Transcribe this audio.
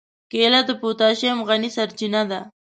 کېله د پوتاشیم غني سرچینه ده.